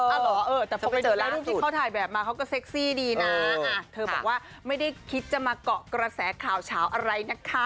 จะไม่เจอร่างสุดเพราะที่เขาถ่ายแบบมาเขาก็เซ็กซี่ดีนะอ่ะเธอบอกว่าไม่ได้คิดจะมาเกาะกระแสขาวอะไรนะคะ